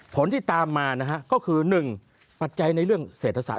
ผลที่ตามมานะฮะก็คือ๑ปัจจัยในเรื่องเศรษฐศาส